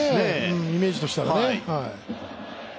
イメージとしてはね。